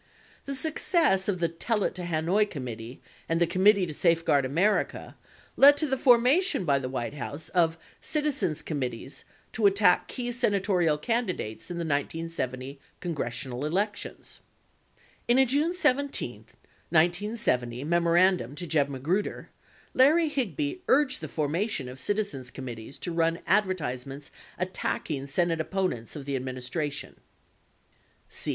The success of the "Tell It to Hanoi Committee" and the "Commit tee To Safeguard America" led to the formation by the White House of "citizens committees" to attack key Senatorial candidates in the 1970 Congressional elections. In a June 17, 1970, memorandum to Jeb Magruder, Larry Higby urged the formation of citizens committees to run advertisements attacking Senate opponents of the administration.